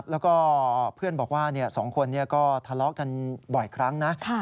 แล้วก็เพื่อนบอกว่าเนี่ยสองคนเนี่ยก็ทะเลาะกันบ่อยครั้งนะ